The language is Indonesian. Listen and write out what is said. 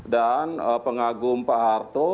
dan pengagum pak harto